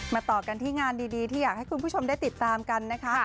ต่อกันที่งานดีที่อยากให้คุณผู้ชมได้ติดตามกันนะคะ